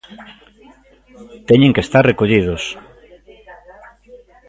Teñen que estar recollidos.